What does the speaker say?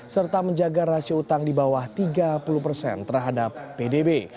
serta menjaga rasio utang di bawah tiga puluh persen terhadap pdb